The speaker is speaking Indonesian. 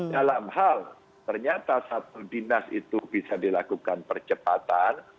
dalam hal ternyata satu dinas itu bisa dilakukan percepatan